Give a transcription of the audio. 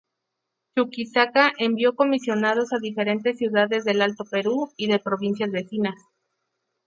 Chuquisaca envió comisionados a diferentes ciudades del Alto Perú y de provincias vecinas.